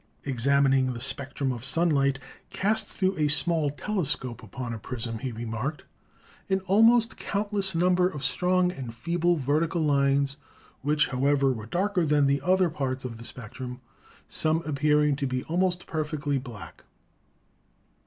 Examining the spectrum of sunlight cast through a small telescope upon a prism, he remarked "an almost countless number of strong and feeble vertical lines which, however, were darker than the other parts of the spectrum, some appearing to be almost perfectly black."